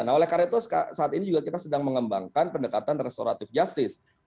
nah oleh karena itu saat ini juga kita sedang mengembangkan pendekatan restoratif justice